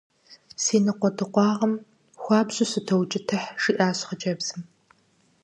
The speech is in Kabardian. - Си ныкъуэдыкъуагъым хуабжьу сытоукӀытыхь, - жиӏащ хъыджэбзым.